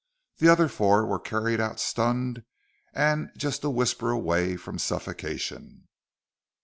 The other four were carried out stunned and just a whisper away from suffocation.